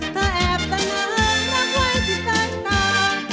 เธอแอบเสนอรักไว้ที่เธอตาม